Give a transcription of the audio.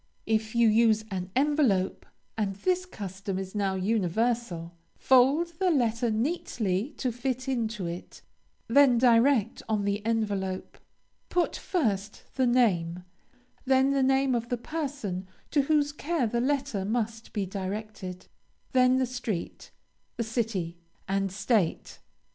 If you use an envelope, and this custom is now universal, fold your letter neatly to fit into it; then direct on the envelope. Put first the name, then the name of the person to whose care the letter must be directed, then the street, the city, and State.